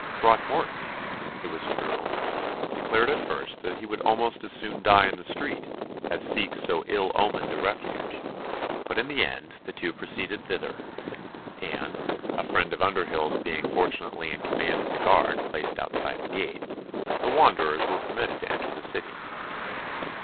Throckmorton, it was true, declared at first that he would almost as soon die in the street as seek so ill omened a refuge; but in the end the two proceeded thither, and, a friend of Underhyll's being fortunately in command of the guard placed outside the gate, the wanderers were permitted to enter the City.